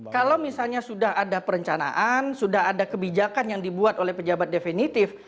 kalau misalnya sudah ada perencanaan sudah ada kebijakan yang dibuat oleh pejabat definitif